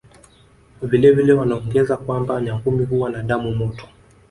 Vile vile wanaongeza kwamba Nyangumi huwa na damu motoY